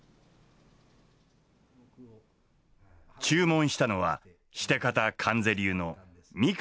注文したのはシテ方観世流の味方